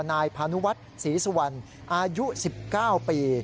นายพานุวัฒน์ศรีสุวรรณอายุ๑๙ปี